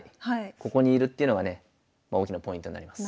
ここにいるっていうのがね大きなポイントになります。